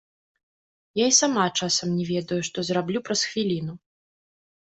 Я і сама часам не ведаю, што зраблю праз хвіліну.